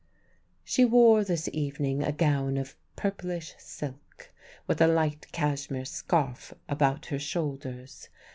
She wore, this evening, a gown of purplish silk, with a light cashmere scarf about her shoulders.